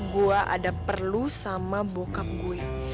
gua ada perlu sama bokap gue